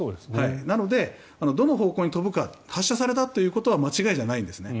なので、どの方向に飛ぶか発射されたということは間違いじゃないんですね。